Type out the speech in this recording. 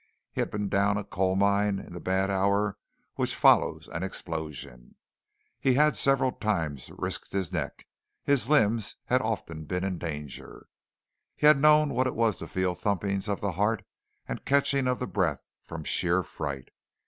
He had been down a coal mine in the bad hour which follows an explosion. He had several times risked his neck; his limbs had often been in danger; he had known what it was to feel thumpings of the heart and catchings of the breath from sheer fright.